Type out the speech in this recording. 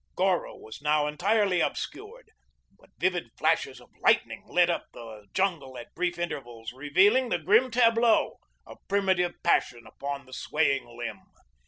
Goro was now entirely obscured, but vivid flashes of lightning lit up the jungle at brief intervals, revealing the grim tableau of primitive passion upon the swaying limb.